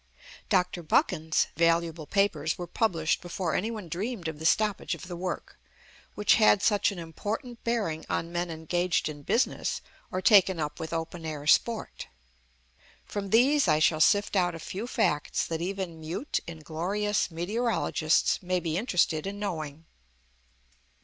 Dr. Buchan's valuable papers were published before any one dreamed of the stoppage of the work, which had such an important bearing on men engaged in business or taken up with open air sport. From these I shall sift out a few facts that even "mute, inglorious" meteorologists may be interested in knowing.